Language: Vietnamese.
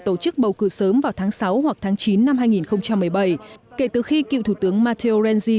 tổ chức bầu cử sớm vào tháng sáu hoặc tháng chín năm hai nghìn một mươi bảy kể từ khi cựu thủ tướng mattherenji